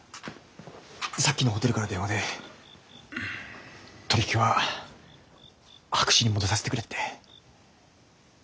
さっきのホテルから電話で取り引きは白紙に戻させてくれって。